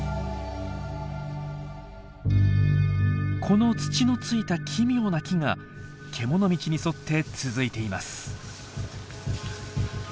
この土のついた奇妙な木がけもの道に沿って続いています。